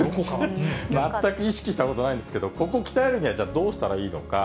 全く意識したことないんですけど、ここ、鍛えるにはどうしたらいいのか。